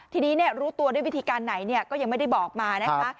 ทีนี้เนี่ยรู้ตัวด้วยวิธีการไหนเนี่ยก็ยังไม่ได้บอกมานะคะครับ